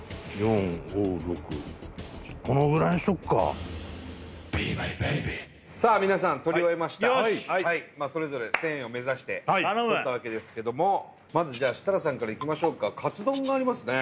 このぐらいにしとくかさあ皆さん取り終えましたよしっそれぞれ１０００円を目指して取ったわけですけどもまず設楽さんからいきましょうかカツ丼がありますね